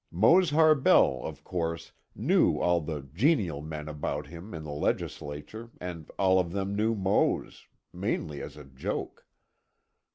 Mose Harbell, of course, knew all the "genial" men about him in the Legislature and all of them knew Mose mainly as a joke.